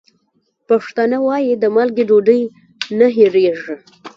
پښتانه وايي: د مالګې ډوډۍ نه هېرېږي.